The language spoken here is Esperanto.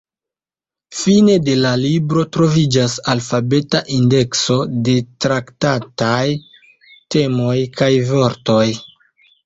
Fine de la libro troviĝas alfabeta indekso de traktataj temoj kaj vortoj.